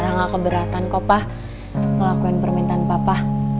nggak keberatan kok pak ngelakuin permintaan papa